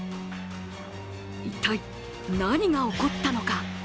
一体、何が起こったのか？